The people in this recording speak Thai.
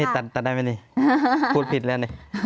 ตัดได้ไหมนี่พูดผิดแล้วนี่